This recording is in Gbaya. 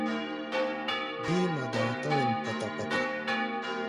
Bíí nɔ́ dɔ̧ɔ̧, tɔ̧́ wen pɔtɔ-pɔtɔ.